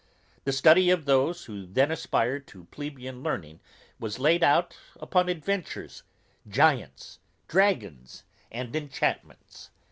The study of those who then aspired to plebeian learning was laid out upon adventures, giants, dragons, and enchantments.